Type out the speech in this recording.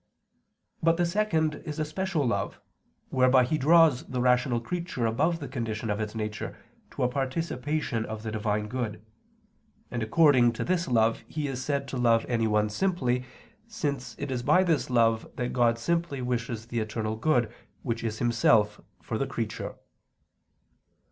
But the second is a special love, whereby He draws the rational creature above the condition of its nature to a participation of the Divine good; and according to this love He is said to love anyone simply, since it is by this love that God simply wishes the eternal good, which is Himself, for the creature.